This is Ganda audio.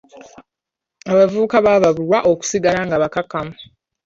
Abavubuka baawabulwa okusigala nga bakkakkamu.